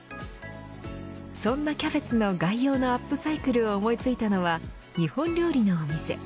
そんなキャベツの外葉のアップサイクルを思いついたのは日本料理のお店。